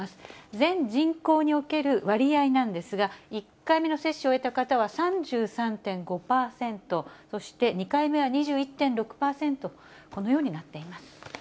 全人口における割合なんですが、１回目の接種を終えた方は３３．５％、そして２回目は２１．６％、このようになっています。